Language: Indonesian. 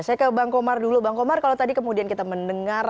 saya ke bang komar dulu bang komar kalau tadi kemudian kita mendengar